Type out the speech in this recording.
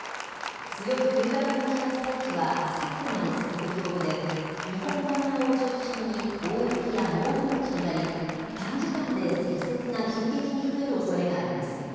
強い冬型の気圧配置はあさってまで続く見込みで、日本海側を中心に大雪や猛吹雪となり、短時間で積雪が急激に増えるおそれがあります。